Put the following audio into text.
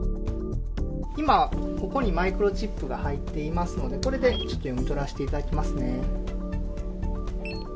今、ここにマイクロチップが入っていますので、これでちょっと読み取らしていただきますね。